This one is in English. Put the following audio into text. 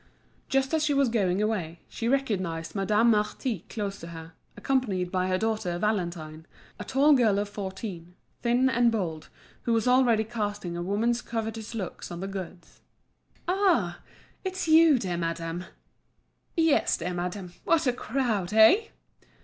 Just as she was going away, she recognised Madame Marty close to her, accompanied by her daughter Valentine, a tall girl of fourteen, thin and bold, who was already casting a woman's covetous looks on the goods. "Ah! it's you, dear madame?" "Yes, dear madame; what a crowd—eh?"